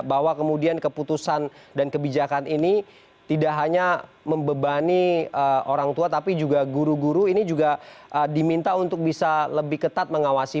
bahwa kemudian keputusan dan kebijakan ini tidak hanya membebani orang tua tapi juga guru guru ini juga diminta untuk bisa lebih ketat mengawasi